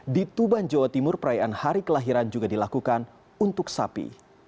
di tuban jawa timur perayaan hari kelahiran juga dilakukan untuk sapi